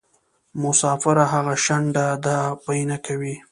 مسافره هغه شڼډه ده پۍ نکوي.